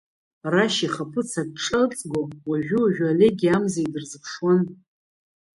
Рашь ихаԥыц аҿҿа ыҵго уажәы-уажәы Олеги Амзеи дырзыԥшуан.